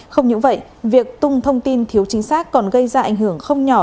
không những vậy việc tung thông tin thiếu chính xác còn gây ra ảnh hưởng không nhỏ